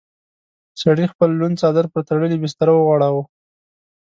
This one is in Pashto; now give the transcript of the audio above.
سړي خپل لوند څادر پر تړلې بستره وغوړاوه.